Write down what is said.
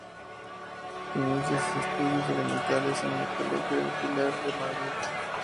Inicia sus estudios elementales en el Colegio del Pilar de Madrid.